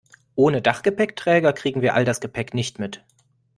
Ohne Dachgepäckträger kriegen wir all das Gepäck nicht mit.